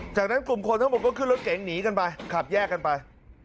จากนั้นกลุ่มคนทั้งหมดก็ขึ้นรถเก๋งหนีกันไปขับแยกกันไป